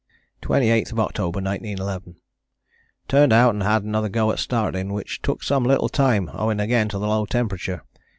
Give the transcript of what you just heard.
"28th October 1911. "Turned out and had another go at starting which took some little time owing again to the low temperature.